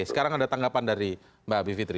sekarang ada tanggapan dari mbak bivitri